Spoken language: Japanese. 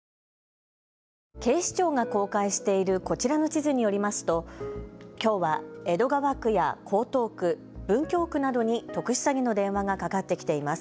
警視庁が公開しているこちらの地図によりますときょうは江戸川区や江東区、文京区などに特殊詐欺の電話がかかってきています。